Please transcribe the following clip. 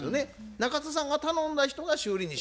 中田さんが頼んだ人が修理に失敗した。